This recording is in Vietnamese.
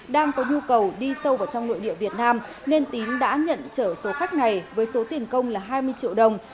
đang có nhu cầu đi sâu vào trong nội địa việt nam nên tín đã nhận trở số khách này với số tiền công là hai mươi triệu đồng